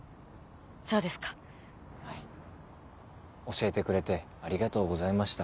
教えてくれてありがとうございました。